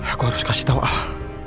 aku harus kasih tau ah